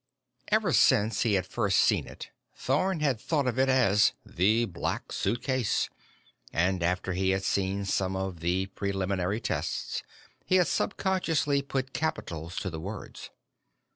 Ever since he had first seen it, Thorn had thought of it as "the Black Suitcase," and after he had seen some of the preliminary tests, he had subconsciously put capitals to the words.